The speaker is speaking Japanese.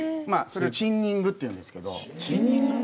それをチンニングっていうんですけどチンニング？